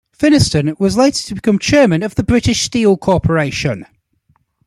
Finniston was later to become chairman of the British Steel Corporation.